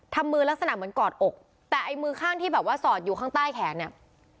มือลักษณะเหมือนกอดอกแต่ไอ้มือข้างที่แบบว่าสอดอยู่ข้างใต้แขนเนี่ย